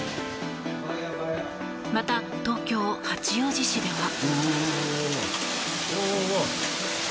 また、東京・八王子市では。